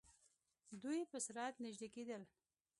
دوئ په سرعت نژدې کېدل.